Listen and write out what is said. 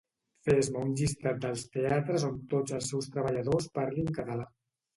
Fes-me un llistat dels teatres on tots els seus treballadors parlin català